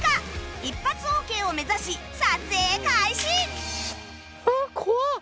一発オーケーを目指し撮影開始！